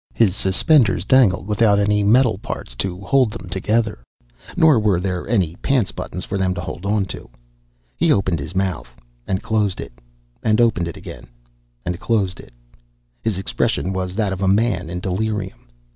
His suspenders dangled without any metal parts to hold them together, nor were there any pants buttons for them to hold onto. He opened his mouth, and closed it, and opened it again and closed it. His expression was that of a man in delirium.